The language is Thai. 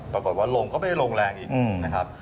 ปรากฏว่าลงก็ไม่ได้ลงแรงอีกนะครับ